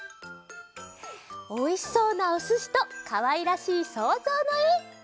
おいしそうなおすしとかわいらしいそうぞうのえ。